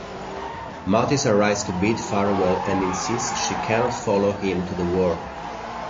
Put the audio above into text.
Mathis arrives to bid farewell and insists she cannot follow him to the war.